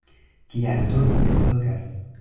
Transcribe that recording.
Kial do vi mensogas?